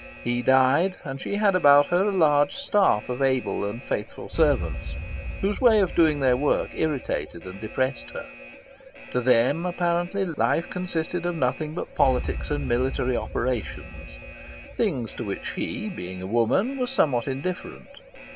He died, and she had about her a large staff of able and faithful servants, whose way of doing their work irritated and depressed her. To them, apparently, life consisted of nothing but politics and military operations things to which she, being a woman, was somewhat indifferent.